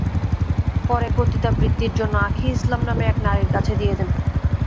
পরে পতিতাবৃত্তির জন্য আঁখি ইসলাম নামের এক নারীর কাছে দিয়ে দেন।